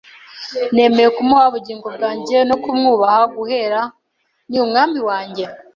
Nemeye kumuha ubugingo bwanjye no kumwubaha guhera ni Umwami wanjye.